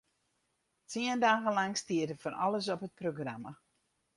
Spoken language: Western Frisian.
Tsien dagen lang stiet der fan alles op it programma.